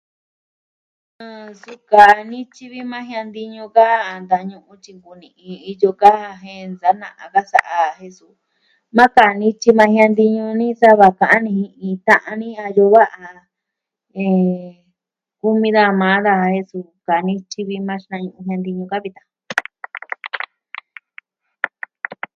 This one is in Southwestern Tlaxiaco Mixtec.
Ah... suu kaa nityi vi maa jiantiñu ka, a ntañu'u tyi nku ni'i iyo kaa je nsana'a da sa'a jen suu, na kaa nityi na jiantiñu nee sa'a da ka'an ni jin iin ka'an a yu va'a... eh... kumi daa maa daa e suu kaa nityi va maa jiantiñu mka vitan.